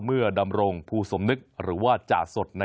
เมื่อดำรงพูซมนึกหรือว่าจาสด